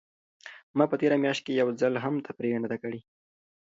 ما په تېره میاشت کې یو ځل هم تفریح نه ده کړې.